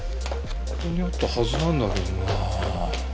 ここにあったはずなんだけどな。